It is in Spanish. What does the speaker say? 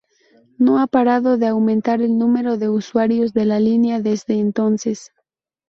No ha parado de aumentar el número de usuarios de la línea desde entonces.